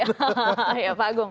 tapi mekanismenya kan juga